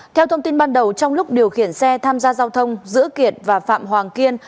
theo thông tin ban đầu trong lúc điều khiển xe tham gia giao thông giữa kiệt và phạm hoàng kiên